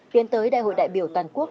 tiến tới đại hội đại biểu toàn quốc